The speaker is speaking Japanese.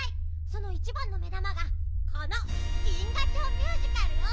そのいちばんの目玉がこの「銀河町ミュージカル」よ！